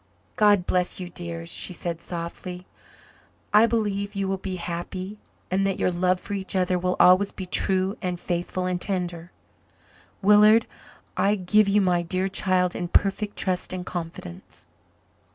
"God bless you, dears," she said softly. "I believe you will be happy and that your love for each other will always be true and faithful and tender. Willard, I give you my dear child in perfect trust and confidence."